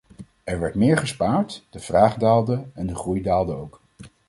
Er werd meer gespaard, de vraag daalde en de groei daalde ook.